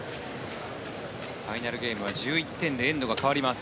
ファイナルゲームは１１点でエンドが変わります。